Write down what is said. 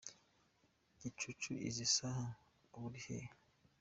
Gicucu izi saha uba uri he ?.